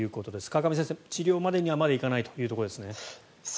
川上先生、治療までにはまだ行かないということですね。